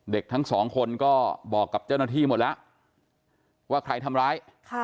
เด็กทั้งสองคนก็บอกกับเจ้าหน้าที่หมดแล้วว่าใครทำร้าย